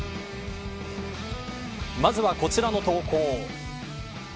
まずは、こちらの投稿。